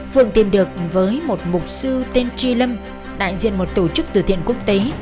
phượng tìm được với một mục sư tên chi lâm đại diện một tổ chức từ thiện quốc tế